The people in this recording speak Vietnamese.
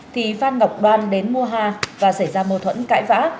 thì phát ngọc đoan đến mua ha và xảy ra mâu thuẫn cãi vã